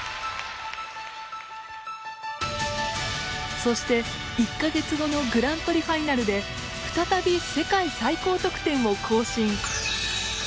そして１か月後のグランプリファイナルで再び世界最高得点を更新。